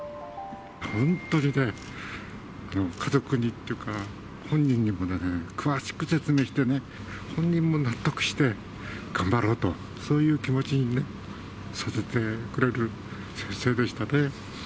本当にね、家族にっていうか、本人にもね、詳しく説明してね、本人も納得して、頑張ろうと、そういう気持ちにね、させてくれる先生でしたね。